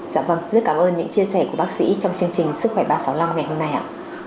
dạ vâng rất cảm ơn những chia sẻ của bác sĩ trong chương trình sức khỏe ba trăm sáu mươi năm ngày hôm nay ạ